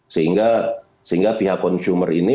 sehingga pihak konsumen ini